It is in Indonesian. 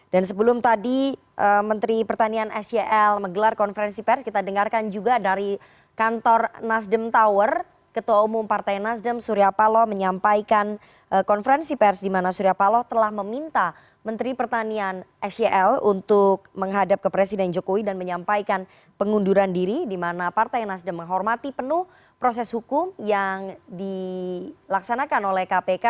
dan sebelum tadi menteri pertanian sel menggelar konferensi pers kita dengarkan juga dari kantor nasdem tower ketua umum partai nasdem surya paloh menyampaikan konferensi pers dimana surya paloh telah meminta menteri pertanian sel untuk menghadap ke presiden jokowi dan menyampaikan pengunduran diri dimana partai nasdem menghormati penuh proses hukum yang dilaksanakan oleh kpk